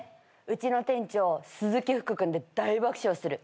うちの店長鈴木福君で大爆笑する。